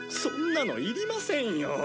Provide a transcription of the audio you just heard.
そんなのいりませんよ。